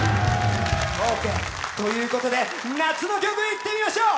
オーケー、ということで夏の曲行ってみましょう！